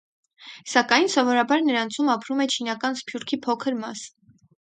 Սակայն, սովորաբար նրանցում ապրում է չինական սփյուռքի փոքր մասը։